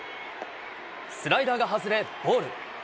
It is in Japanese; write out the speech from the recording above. スライダーが外れボール。